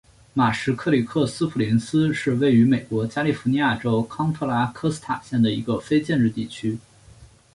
马什克里克斯普林斯是位于美国加利福尼亚州康特拉科斯塔县的一个非建制地区。